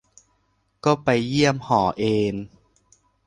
ก็ไปเยี่ยมหอเอน